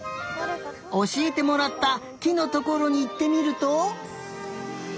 おしえてもらったきのところにいってみると。